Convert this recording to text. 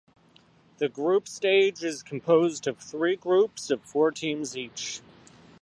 The group stage is composed of three groups of four teams each.